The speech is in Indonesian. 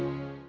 aku mau pergi